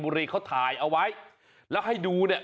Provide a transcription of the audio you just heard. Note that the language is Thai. บุรีเค้าถ่ายเอาไว้และให้ดูเนี่ย